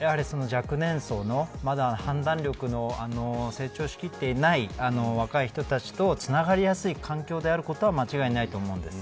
ただ、若年層のまだ判断力の成長しきっていない若い人たちとつながりやすい環境であることは間違いないと思うんです。